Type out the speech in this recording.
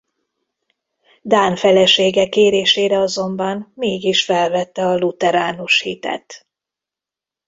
Dán felesége kérésére azonban mégis felvette a lutheránus hitet.